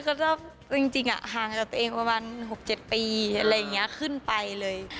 เขาชอบของจริงหางกับตัวเองประมาณ๖๗ปีอะไรอย่างงี้ขึ้นไปเลย